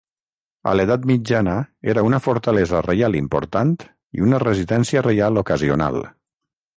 A l'edat mitjana era una fortalesa reial important i una residència reial ocasional.